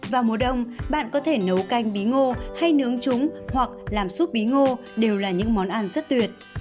vào mùa đông bạn có thể nấu canh bí ngô hay nướng trúng hoặc làm súp bí ngô đều là những món ăn rất tuyệt